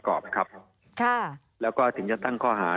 มีความรู้สึกว่ามีความรู้สึกว่า